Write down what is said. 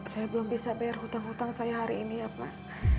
saya belum bisa bayar hutang hutang saya hari ini ya pak